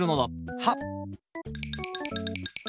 はっ！